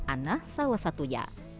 anah salah satunya